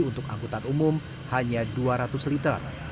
untuk angkutan umum hanya dua ratus liter